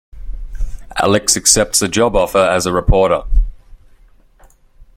Alex accepts a job offer as a reporter.